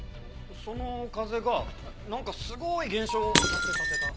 その風がなんかすごーい現象を発生させた。